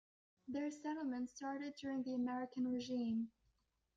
Their settlement started during the American regime.